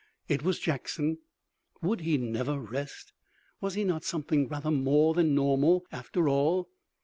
It was Jackson. Would he never rest? Was he not something rather more than normal after all?